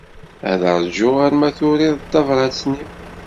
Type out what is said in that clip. Ad ṛjuɣ arma turiḍ-d tabṛat-nni.